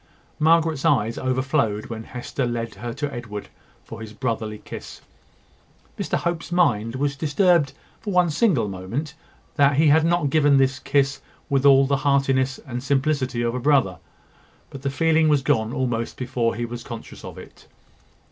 Margaret's eyes overflowed when Hester led her to Edward for his brotherly kiss. Mr Hope's mind was disturbed for one single moment that he had not given this kiss with all the heartiness and simplicity of a brother; but the feeling was gone almost before he was conscious of it.